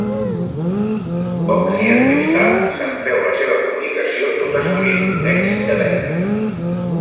Pocs dies més tard, se'n féu la seva publicació tot assolint un èxit de vendes.